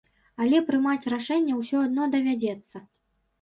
Але прымаць рашэнне ўсё адно давядзецца.